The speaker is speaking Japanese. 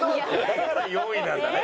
だから４位なんだね。